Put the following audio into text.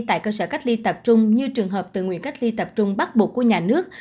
tại cơ sở cách ly tập trung như trường hợp tự nguyện cách ly tập trung bắt buộc của nhà nước